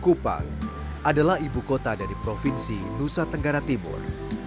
kupang adalah ibu kota dari provinsi nusa tenggara timur